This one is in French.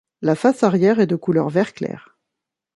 La face arrière est de couleur vert clair.